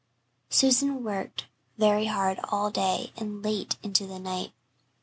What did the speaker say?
Susan worked very hard all day and late into the night.